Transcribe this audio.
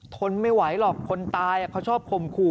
ทนไม่ไหวหรอกคนตายเขาชอบข่มขู่